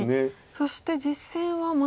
そして実戦はまた。